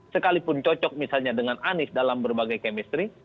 sekalipun cocok misalnya dengan anies dalam berbagai chemistry